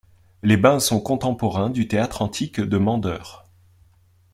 Les bains sont contemporains du théâtre antique de Mandeure.